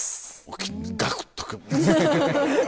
沖ガクっとくる。